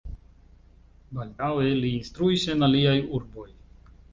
Baldaŭe li instruis en aliaj urboj.